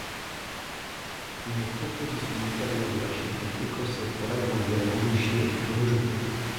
Une proposition ultérieure de l’architecte écossais pour l’agrandir et l’enrichir fut rejetée.